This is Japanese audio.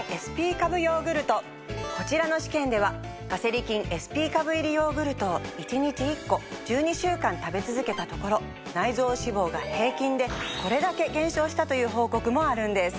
こちらの試験では「ガセリ菌ＳＰ株」入りヨーグルトを１日１個１２週間食べ続けたところ内臓脂肪が平均でこれだけ減少したという報告もあるんです。